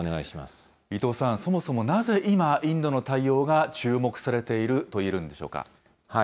伊藤さん、そもそもなぜ今、インドの対応が注目されているといえるんでしょうか。